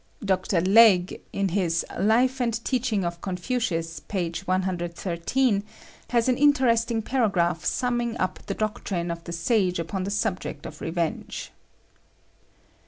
Dr. Legge, in his "Life and Teachings of Confucius," p. 113, has an interesting paragraph summing up the doctrine of the sage upon the subject of revenge.